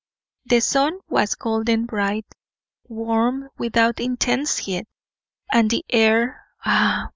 The sun was golden bright, warm without intense heat; and the air ah!